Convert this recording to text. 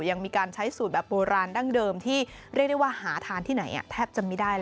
ยังมีการใช้สูตรแบบโบราณดั้งเดิมที่เรียกได้ว่าหาทานที่ไหนแทบจะไม่ได้แล้ว